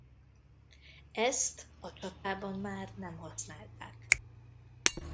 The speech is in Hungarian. Ezt a csatában már nem használták.